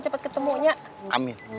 cepet ketemu nek